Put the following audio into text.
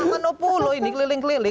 makan opo loh ini keleleng keleleng